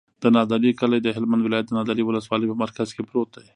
د نادعلي کلی د هلمند ولایت، نادعلي ولسوالي په مرکز کې پروت دی.